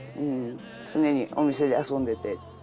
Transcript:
常にお店で遊んでて。